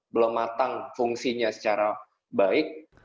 belum matang fungsinya secara baik